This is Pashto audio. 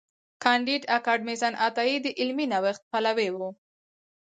کانديد اکاډميسن عطايي د علمي نوښت پلوي و.